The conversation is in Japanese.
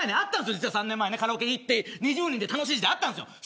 実は、３年前にカラオケに行って２０人で楽しい時代あったんです。